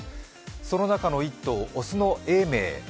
その中の１頭、雄の永明。